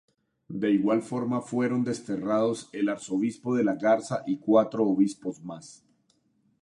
De igual forma fueron desterrados el arzobispo De la Garza y cuatro obispos más.